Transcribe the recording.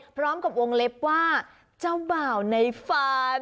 พร้อมกับวงเล็บว่าเจ้าบ่าวในฝัน